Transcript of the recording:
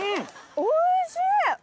おいしい！